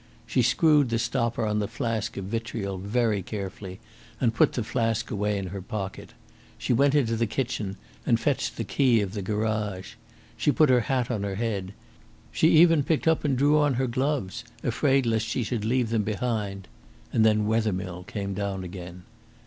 She screwed the stopper on the flask of vitriol very carefully, and put the flask away in her pocket. She went into the kitchen and fetched the key of the garage. She put her hat on her head. She even picked up and drew on her gloves, afraid lest she should leave them behind; and then Wethermill came down again.